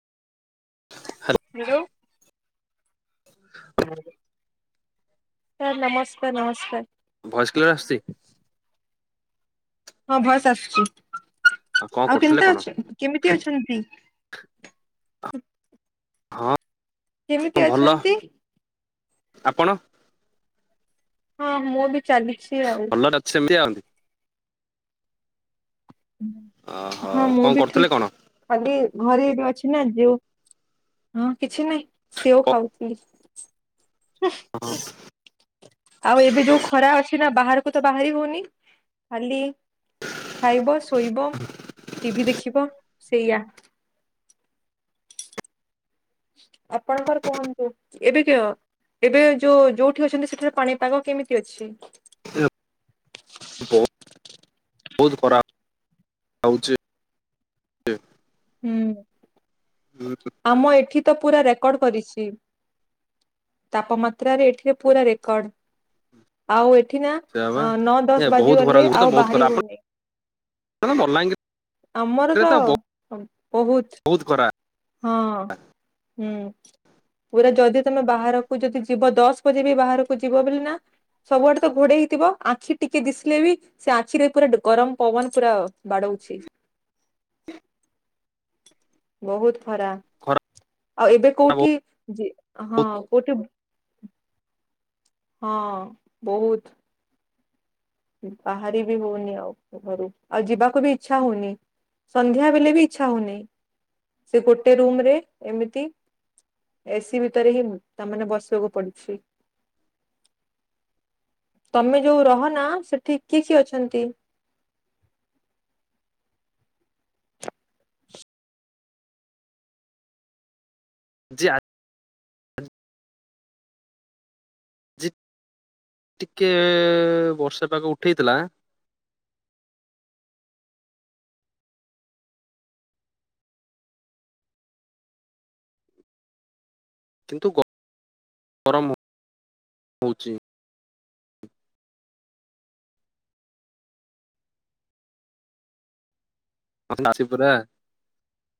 Hello hello. Sir ନମସ୍କାର ନମସ୍କାର। Voice clear ଆସିଛି? ହଁ ଭଏସ ଆସୁଛି କଣ ଆଉ କରୁଥିଲେ କେମିତି କଣ? ଅଛୁ? କେମିତି ଅଛନ୍ତି? ହଁ କେମିତି ହ ଭଲ। ଅଛନ୍ତି ଆପଣ? ହଁ ମୁଁ ବି ଚାଲିଛି ଆଉ। ଅ ସେମିତି ଆନ୍ତି। ଓହୋ ହଁ ମୁଁ କଣ ବି କରୁଥିଲେ କଣ? ଠିକ। ଖାଲି ଘରେ ଏବେ ଅଛି ନା ଯୋଉ ହଁ କିଛି ନାହିଁ ସେଓ ଖାଉଥିଲି। ଆଉ ଏବେ ଯୋଉ ଖରା ଅଛି କି ନା ବାହାରକୁ ତ ବାହାରି ହଉନି ଖାଲି ଖାଇବ, ଶୋଇବ, ଟିଭି ଦେଖିବ ସେଇଆ। ଆପଣଙ୍କର କୁହନ୍ତୁ। ଏବେ କ ଏବେ ଯୋଉ ଯୋଉଠି ଅଛନ୍ତି ସେଠାର ପାଣିପାଗ କେମିତି ଅଛି? ବହୁତ ଖରାପ ରଉଛି। ହୁଁ ଆମ ଏଠି ତ ପୁରା ରେକର୍ଡ କରିଛି। ତାପମାତ୍ରା ରେ ଏଠିରେ ପୁରା ରେକର୍ଡ। ଆଉ ଏଠି ନା ସେଇଆ ବା। ନଅ ଏ ଦଶ ବହୁତ ଖରା ବାଜିଗଲେ ଆଉ ବାହାରି ହଉନି। ଆମ ବଲାଙ୍ଗୀର ଆମର ତ ବହୁତ ହଁ ହୁଁ ପୁରା ଯଦି ତମେ ବାହାରକୁ ଯଦି ଯିବ ଦଶ ବଜେ ବି ବାହାରକୁ ଯିବ ବୋଲି ନା ସବୁଆଡେ ତ ଘୋଡେଇ ହେଇଥିବ ଆଖି ଟିକେ ଦିଶିଲେ ବି ସେ ଆଖିରେ ପୁରା ଡୁ ଗରମ ପବନ ପୁରା ବାଡଉଛି। ବହୁତ ଖରା ଖରା ଆଉ ଏବେ କୋଉଠି ହଁ ବହୁତ କୋଉଠି ହଁ ବହୁତ। ବାହାରି ବି ହଉନି ଆଉ ଘରୁ ଆଉ ଯିବାକୁ ବି ଇଚ୍ଛା ହଉନି। ସନ୍ଧ୍ୟା ବେଳେ ବି ଇଚ୍ଛା ହଉନି ସେ ଗୋଟେ ରୁମ ରେ ଏମିତି ଏସିି ଭିତରେ ହିଁ ତାମାନେ ବସିବାକୁ ପଡ଼ୁଛି। ତମେ ଯୋଉ ରହନା ସେଠି କିଏ କିଏ ଅଛନ୍ତି? ଜେ ଆଜ ଝେ ଟିକେ ବର୍ଷା ପାଗ ଉଠେଇଥିଲା। କିନ୍ତୁ ଗରମ ହଉଛି। ମୋତେ ନାଛିବୁ ପରା।